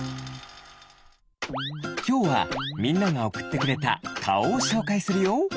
きょうはみんながおくってくれたかおをしょうかいするよ。